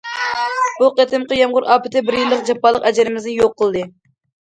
بۇ قېتىمقى يامغۇر ئاپىتى بىر يىللىق جاپالىق ئەجرىمىزنى يوق قىلدى.